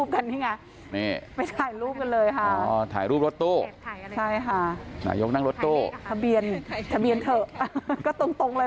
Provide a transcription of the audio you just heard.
ก็ไปถ่ายรูปกันให้ไง